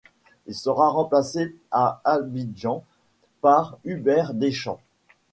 Il sera remplacé à Abidjan par Hubert Deschamp.